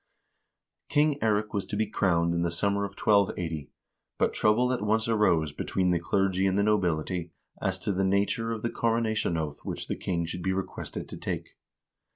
King Eirik was to be crowned in the summer of 1280,1 but trouble at once arose between the clergy and the nobility as to the nature of the coronation oath which the king should be requested to take.